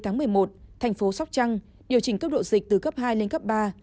từ ngày một mươi tháng một mươi một tp hcm điều chỉnh cấp độ dịch từ cấp hai lên cấp ba